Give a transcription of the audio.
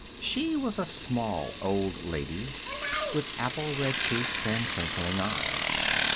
She was a small old lady, with apple red cheeks and twinkling eyes.